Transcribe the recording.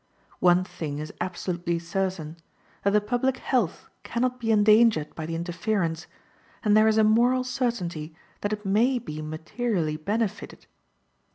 One thing is absolutely certain, that the public health can not be endangered by the interference, and there is a moral certainty that it may be materially benefited.